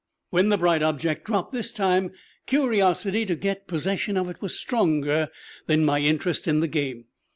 When the bright object dropped this time, curiosity to get possession of it was stronger than my interest in the game.